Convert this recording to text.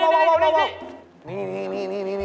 เห้ยเออมาเอานิดนึง